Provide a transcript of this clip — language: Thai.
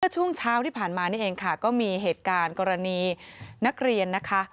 ช่วงเช้าที่ผ่านมานี่เองค่ะก็มีเหตุการณ์กรณีนักเรียนนะคะ